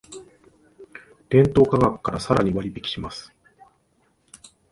店頭価格からさらに割引します